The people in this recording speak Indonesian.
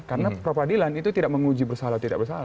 karena perapadilan itu tidak menguji bersalah atau tidak bersalah